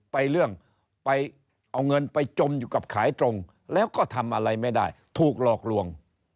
ไปเรื่องไปเอาเงินไปจมอยู่กับขายตรงแล้วก็ทำอะไรไม่ได้ถูกหลอกลวง